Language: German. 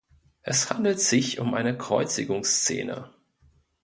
Es handelt sich um eine Kreuzigungsszene.